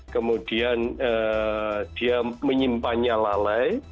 kemudian dia menyimpannya lalai